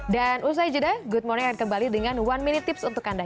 dan usai jeda good morning akan kembali dengan one minute tips untuk anda